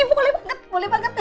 boleh banget boleh banget